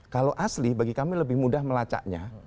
kalau asli bagi kami lebih mudah melacaknya